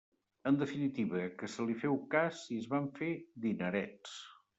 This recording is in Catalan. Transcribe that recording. En definitiva, que se li féu cas i es van fer dinerets.